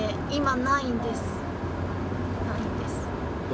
ないんです。